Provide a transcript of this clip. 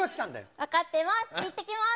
分かってます。